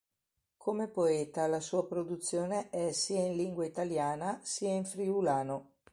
Come poeta la sua produzione è sia in lingua italiana sia in friulano.